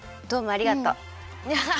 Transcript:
どうもありがとう。